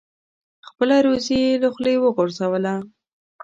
خپله روزي یې له خولې وغورځوله.